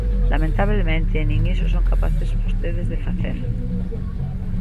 Lamentablemente, nin iso son capaces vostedes de facer.